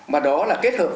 mà đó là kết hợp